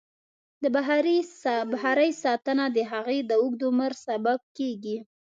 د بخارۍ ساتنه د هغې د اوږد عمر سبب کېږي.